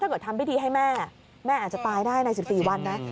เกิดทำพิธีให้แม่แม่อาจจะตายได้ใน๑๔วันนะ